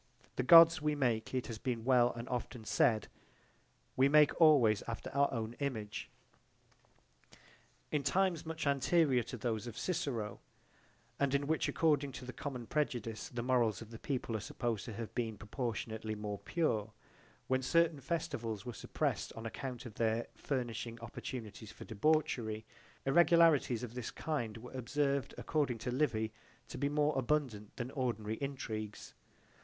The Gods we make, it has been well and often said, we make always after our own image. In times much anterior to those of Cicero and in which according to the common prejudice the morals of the people are supposed to have been proportionately more pure, when certain festivals were suppressed on account of their furnishing opportunities for debauchery, irregularities of this kind were observed according to Livy to be more abundant than ordinary intrigues.